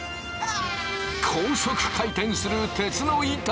高速回転する鉄の板。